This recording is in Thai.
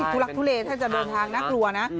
ทุลักทุเลถ้าจะเดินทางน่ากลัวนะ